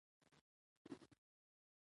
ويني په جوش راځي.